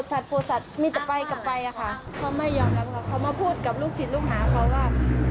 เขาไม่ยอมรับเขามาพูดกับลูกสินลูกหมาเขาว่า